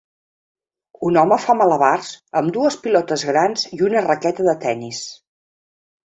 Un home fa malabars amb dues pilotes grans i una raqueta de tennis.